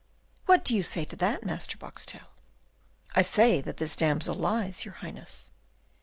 "What do you say to that, Master Boxtel?" "I say that this damsel lies, your Highness."